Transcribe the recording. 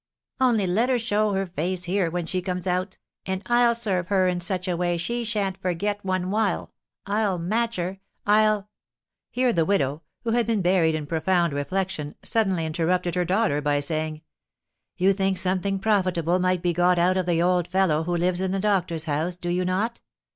Only let her show her face here when she comes out, and I'll serve her in such a way she sha'n't forget one while! I'll match her! I'll " Here the widow, who had been buried in profound reflection, suddenly interrupted her daughter by saying: "You think something profitable might be got out of the old fellow who lives in the doctor's house, do you not?"